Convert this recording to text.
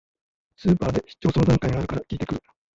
スーパーで出張相談会があるから聞いてくる